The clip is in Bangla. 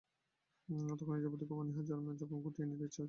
তখন নিজের প্রতি খুব অনীহা জন্মে, নিজেকে গুটিয়ে নিতে খুব ইচ্ছা হয়।